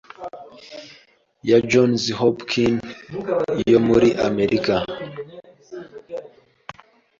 ya Johns Hopkins yo muri Amerika,